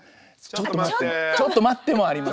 「ちょっと待って」もありますね。